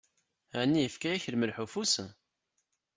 Ɛni yefka-yak lmelḥ ufus?